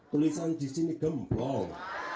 tulisan di sini gemplong